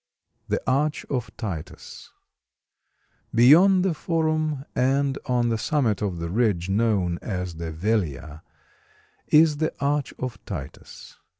THE ARCH OF TITUS Beyond the Forum and on the summit of the ridge known as the Velia is the Arch of Titus.